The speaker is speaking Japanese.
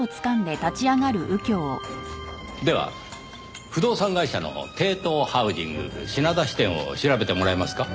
では不動産会社のテイトーハウジング品田支店を調べてもらえますか。